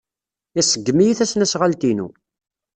Iṣeggem-iyi tasnasɣalt-inu.